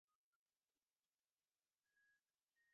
স্কুলের ফটক দিয়ে দ্রুত ঢুকতে গিয়ে পড়ে গিয়ে কয়েকজন আহত হন।